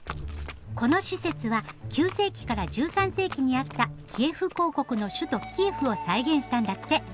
この施設は９世紀から１３世紀にあった「キエフ公国」の首都キエフを再現したんだって。